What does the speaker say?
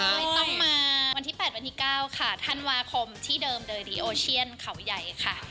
ตาวน้อยต้องมาวันที่แปดวันที่เก้าค่ะธันวาคมที่เดิมโอเชียนเขาใหญ่ค่ะ